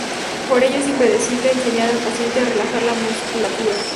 Por ello, es imprescindible enseñar al paciente a relajar la musculatura.